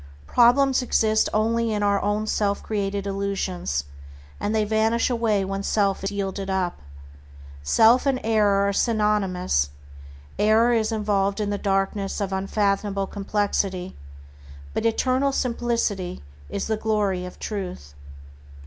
Problems exist only in our own self created illusions, and they vanish away when self is yielded up. Self and error are synonymous. Error is involved in the darkness of unfathomable complexity, but eternal simplicity is the glory of Truth.